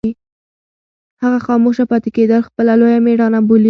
هغه خاموشه پاتې کېدل خپله لویه مېړانه بولي.